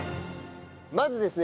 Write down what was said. まずですね